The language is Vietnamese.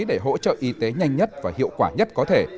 để hỗ trợ y tế nhanh nhất và hiệu quả nhất có thể